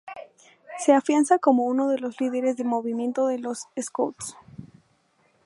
Se afianza como uno de los líderes del movimiento de los scouts.